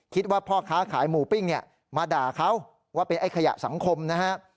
พ่อค้าขายหมูปิ้งเนี่ยมาด่าเขาว่าเป็นไอ้ขยะสังคมนะฮะ